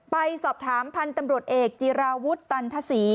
ไปสอบถามพันธุ์ตำรวจเอกจีราวุฒิตันทศรี